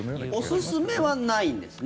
おすすめはないんですね？